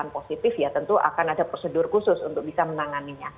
yang positif ya tentu akan ada prosedur khusus untuk bisa menanganinya